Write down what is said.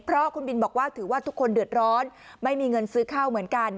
เพราะคุณบินบอกว่าถือว่าทุกคนเดือดร้อนไม่มีเงินซื้อข้าวเหมือนกัน